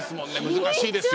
難しいですよ。